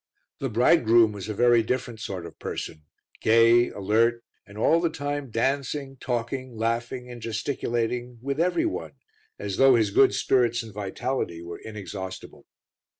The bridegroom was a very different sort of person gay, alert and all the time dancing, talking, laughing and gesticulating with every one, as though his good spirits and vitality were inexhaustible.